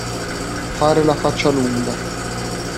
Fare la faccia lunga.